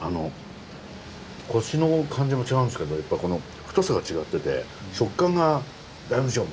コシの感じも違うんですけどやっぱこの太さが違ってて食感がだいぶ違う。